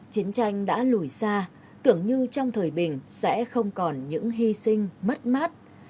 chiến tranh đã lùi xa tưởng như trong thời bình sẽ không còn những hy sinh mất mát